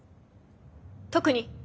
特に。